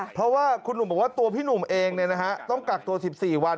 เพราะว่าคุณหนุ่มบอกว่าตัวพี่หนุ่มเองต้องกักตัว๑๔วัน